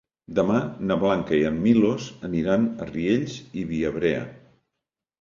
Demà na Blanca i en Milos aniran a Riells i Viabrea.